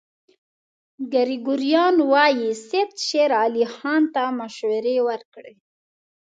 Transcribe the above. ګریګوریان وايي سید شېر علي خان ته مشورې ورکړې.